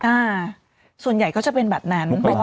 อ่าส่วนใหญ่ก็จะเป็นแบบนั้น